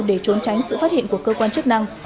để trốn tránh sự phát hiện của cơ quan chức năng